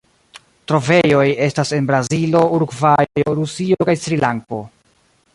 Trovejoj estas en Brazilo, Urugvajo, Rusio kaj Srilanko.